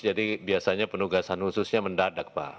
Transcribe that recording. jadi biasanya penugasan khususnya mendadak pak